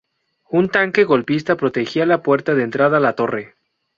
Un tanque golpista protegía la puerta de entrada a la torre.